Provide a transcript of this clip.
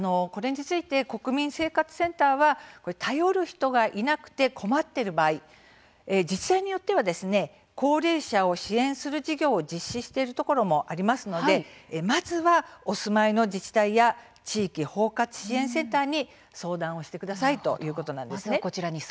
国民生活センターは頼る人がいなくて困っている場合自治体によっては高齢者を支援する事業を実施しているところもありますのでまずはお住まいの自治体や地域包括支援センターに相談をしてくださいということなんです。